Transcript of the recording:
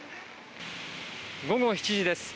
午後７時です。